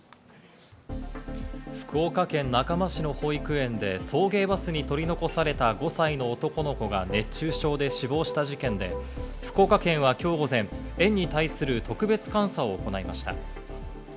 福岡県中間市の保育園で送迎バスに取り残された５歳の男の子が熱中症で死亡した事件で、福岡県はきょう午前、園に対する特別監査を行いました。